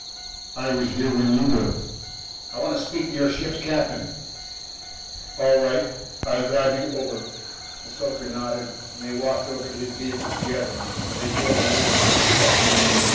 "I was here when you were." "I want to speak to your ship's captain." "All right. I'll drive you over." The stoker nodded, and they walked over to his vehicle together. They drove away, toward the Jek ship.